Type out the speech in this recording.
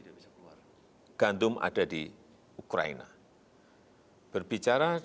karena pada standards referensi sudah berlangsung jadi put hoped to